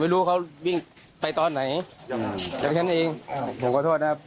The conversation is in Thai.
เพราะว่าเอ็มเนี่ยเคยตีหัวมันครับ